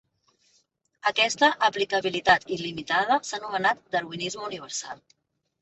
Aquesta aplicabilitat il·limitada s'ha anomenat darwinisme universal.